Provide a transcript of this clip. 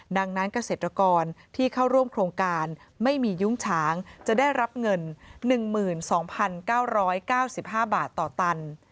ดังนั้นเกษตรกรที่เข้าร่วมโครงการไม่มียุ้งฉางจะได้รับเงิน๑๒๙๙๕บาทต่อตัน